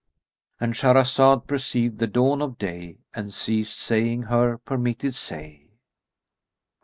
"—And Shahrazad perceived the dawn of day and ceased saying her permitted say.